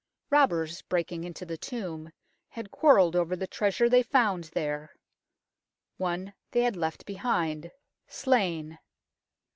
Robbers, breaking into the tomb, had quarrelled over the treasure they found there. One they had left behind, slain.